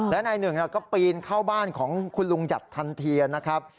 และนายหนึ่งก็ปีนเข้าบ้านของคุณลุงหยัดทันทีนะครับ